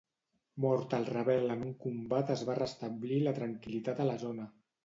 Mort el rebel en un combat es va restablir la tranquil·litat a la zona.